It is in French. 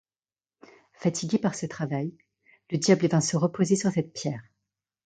Fatigué par ce travail, le diable vint se reposer sur cette pierre.